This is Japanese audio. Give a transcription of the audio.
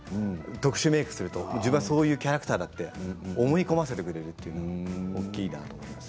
特殊メークをすると自分はそういうキャラクターだと思い込ませてくれる大きいなと思います。